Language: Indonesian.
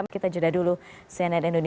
kita juda dulu